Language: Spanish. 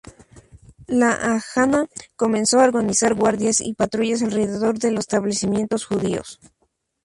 La Haganá comenzó a organizar guardias y patrullas alrededor de los establecimientos judíos.